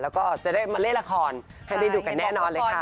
แล้วก็จะได้มาเล่นละครให้ได้ดูกันแน่นอนเลยค่ะ